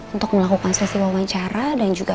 untuk melakukan sesi wawancara dan juga